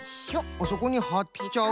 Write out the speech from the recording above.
あそこにはっちゃう。